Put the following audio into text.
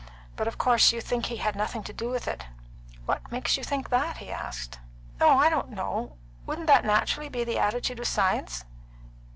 But of course you think he had nothing to do with it." "What makes you think that?" he asked. "Oh, I don't know. Wouldn't that naturally be the attitude of Science?"